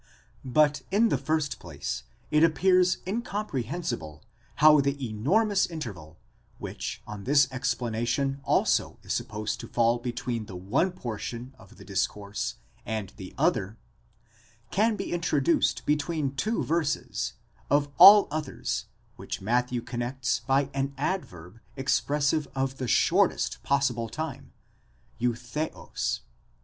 8 But in the first place, it appears incomprehensible how the enormous. interval, which on this explanation also is supposed to fall between the one portion of the discourse and the other, can be introduced between two verses, of all others, which Matthew connects by an adverb expressive of the shortest possible time (εὐθέως).